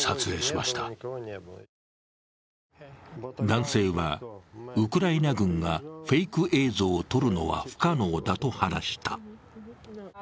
男性は、ウクライナ軍がフェイク映像を撮るのは不可能だと話した。